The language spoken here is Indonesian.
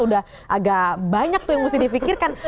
udah agak banyak tuh yang mesti di pikirkan